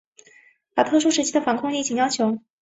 把特殊时期的防控疫情要求